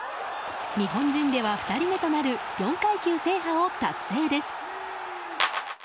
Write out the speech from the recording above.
日本人では２人目となる４階級制覇を達成です。